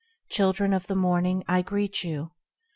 Children of the Morning, I greet you.